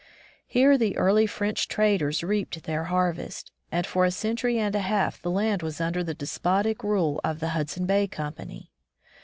Here the early French traders reaped their harvest, and for a centiuy and a half the land was under the despotic rule of the Hudson Bay Company.